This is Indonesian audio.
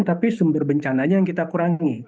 tapi sumber bencananya yang kita kurangi